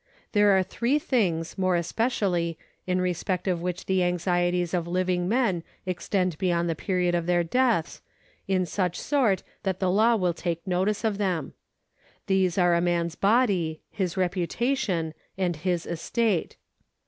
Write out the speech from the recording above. There are three things, more especially, in respect of which the anxieties of living men extend beyond the period of their deaths, in such sort that the law will take notice of them. These are a man's body, his reputation, and his estate.